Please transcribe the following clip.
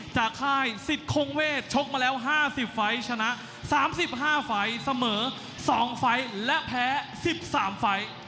ค่ายสิทธิ์คงเวทชกมาแล้ว๕๐ไฟล์ชนะ๓๕ไฟล์เสมอ๒ไฟล์และแพ้๑๓ไฟล์